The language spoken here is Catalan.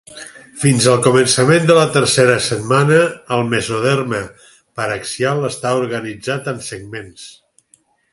Fins al començament de la tercera setmana el mesoderma paraxial està organitzat en segments.